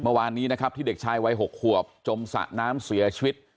เมื่อวานนี้นะครับที่เด็กชายวัย๖ขวบจมสระน้ำเสียชีวิต